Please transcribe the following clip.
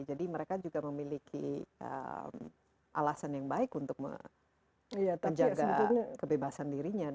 jadi mereka juga memiliki alasan yang baik untuk menjaga kebebasan dirinya